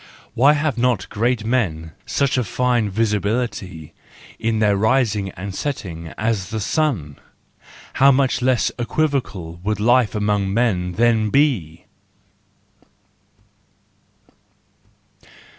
Why have not great men such a fine visibility in their rising and setting as the sun? How much less equivocal would life among men then be!